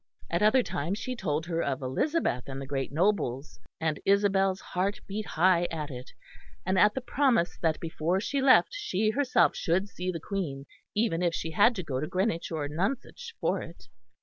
At other times she told her of Elizabeth and the great nobles, and Isabel's heart beat high at it, and at the promise that before she left she herself should see the Queen, even if she had to go to Greenwich or Nonsuch for it.